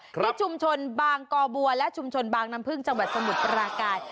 ที่ชุมชนบางกอบัวและชุมชนบางน้ำพึ่งจังหวัดสมุทรปราการ